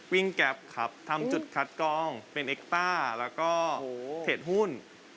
วิ่งแกรปครับทำจุดคัดกองเป็นเอกตาร์แล้วก็เทศหุ้น